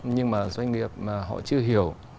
nhưng mà doanh nghiệp mà họ chưa hiểu